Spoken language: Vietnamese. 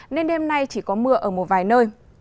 nên đêm nay chỉ có mưa ở một vài nơi